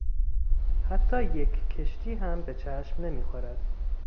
حتی یک کشتی هم به چشم نمیخورد.